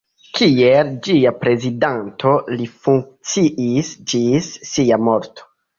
Kiel ĝia prezidanto li funkciis ĝis sia morto.